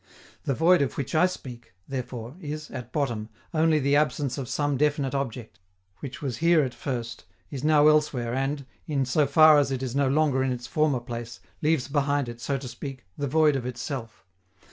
The void of which I speak, therefore, is, at bottom, only the absence of some definite object, which was here at first, is now elsewhere and, in so far as it is no longer in its former place, leaves behind it, so to speak, the void of itself.